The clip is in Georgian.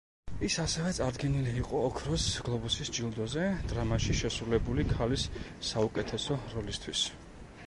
ის ასევე წარდგენილი იყო ოქროს გლობუსის ჯილდოზე დრამაში შესრულებული ქალის საუკეთესო როლისთვის.